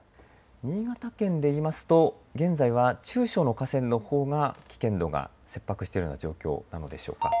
新潟県でいいますと現在は中小の河川のほうが危険度が切迫しているような状況なんでしょうか。